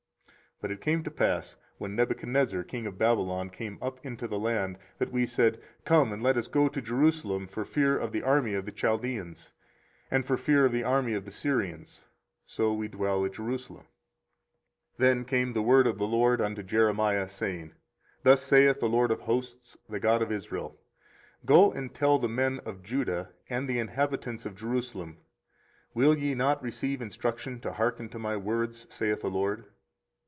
24:035:011 But it came to pass, when Nebuchadrezzar king of Babylon came up into the land, that we said, Come, and let us go to Jerusalem for fear of the army of the Chaldeans, and for fear of the army of the Syrians: so we dwell at Jerusalem. 24:035:012 Then came the word of the LORD unto Jeremiah, saying, 24:035:013 Thus saith the LORD of hosts, the God of Israel; Go and tell the men of Judah and the inhabitants of Jerusalem, Will ye not receive instruction to hearken to my words? saith the LORD.